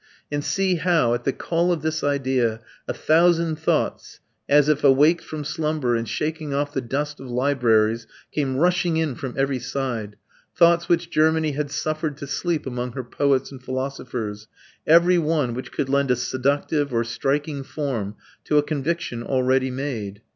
And see how, at the call of this idea, a thousand thoughts, as if awaked from slumber, and shaking off the dust of libraries, came rushing in from every side thoughts which Germany had suffered to sleep among her poets and philosophers, every one which could lend a seductive or striking form to a conviction already made!